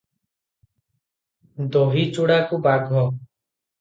ଦହି ଚୂଡ଼ାକୁ ବାଘ ।।